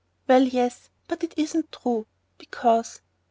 "Well, yes, but it isn't true ... because...."